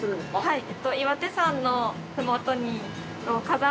はい。